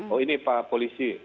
oh ini pak polisi